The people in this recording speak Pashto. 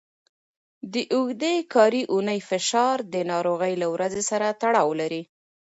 د اوږدې کاري اونۍ فشار د ناروغۍ له ورځې سره تړاو لري.